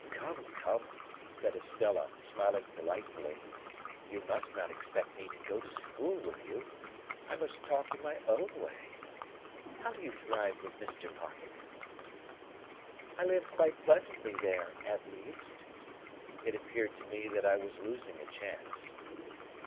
Come, come," said Estella, smiling delightfully, "you must not expect me to go to school to you; I must talk in my own way. How do you thrive with Mr. Pocket?" "I live quite pleasantly there; at least—" It appeared to me that I was losing a chance.